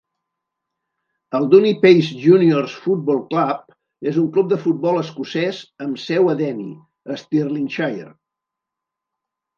El Dunipace Juniors Football Club és un club de futbol escocès amb seu a Denny, Stirlingshire.